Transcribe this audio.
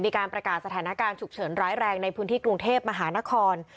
มีการประกาศสถานการณ์ฉุกเฉินร้ายแรงในพื้นที่กรุงเทพมหานคร